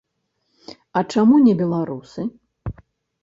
А чаму не беларусы?